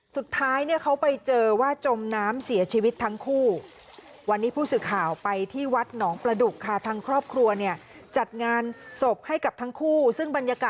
สุดท้ายเขาไปเจอว่าจมน้ำเสียชีวิตทั้งคู่